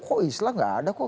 kok islah enggak ada kok